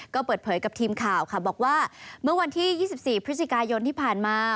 ก็เปิดเผยกับทีมข่าวค่ะบอกว่าเมื่อวันที่๒๔พฤศจิกายนที่ผ่านมา